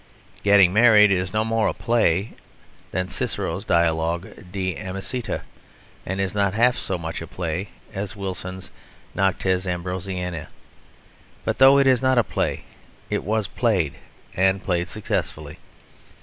Getting Married is no more a play than Cicero's dialogue De Amicitiâ, and not half so much a play as Wilson's Noctes Ambrosianæ. But though it is not a play, it was played, and played successfully.